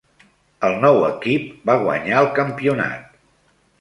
El nou equip va guanyar el campionat.